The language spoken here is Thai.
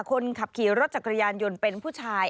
คนขับขี่รถจักรยานยนต์เป็นผู้ชาย